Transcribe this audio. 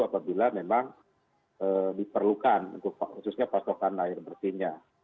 apabila memang diperlukan khususnya pasokan air bersihnya